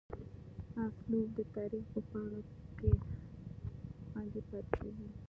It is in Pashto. اسلوب دَ تاريخ پۀ پاڼو کښې خوندي پاتې کيږي